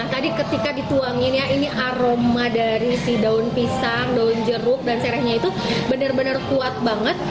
hmm nah tadi ketika dituangin ya ini aroma dari si daun pisang daun jeruk dan serainya itu bener bener kuat banget